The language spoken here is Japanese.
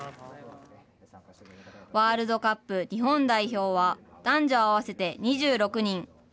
ワールドカップ日本代表は、男女合わせて２６人。